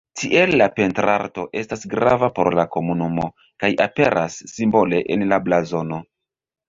Tiel la pentrarto estas grava por la komunumo kaj aperas simbole en la blazono.